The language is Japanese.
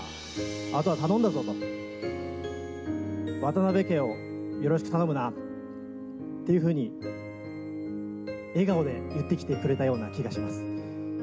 あとは頼んだぞと、渡辺家をよろしく頼むなっていうふうに、笑顔で言ってきてくれたような気がします。